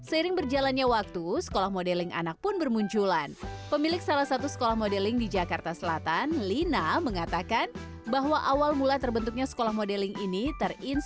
eksistensi model cilik mulai naik daun beberapa waktu belakangan